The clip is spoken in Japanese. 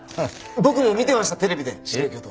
僕も見てましたテレビで『白い巨塔』。